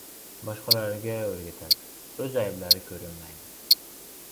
• Boshqalarga o‘rgatadi, o‘z ayblari ko‘rinmaydi.